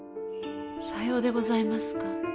さようでございますか。